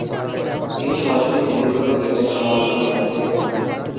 তিনি সরাসরি হন্ডুরীয় গীর্জার সমালোচনায় মুখরিত হন।